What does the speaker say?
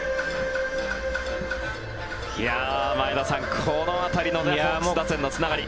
前田さん、この辺りのホークス打線のつながり。